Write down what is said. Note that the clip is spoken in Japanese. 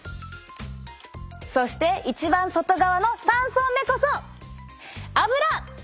そして一番外側の３層目こそアブラ！